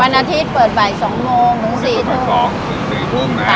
วันอาทิตย์เปิดบ่าย๒โมงถึง๔ทุ่ม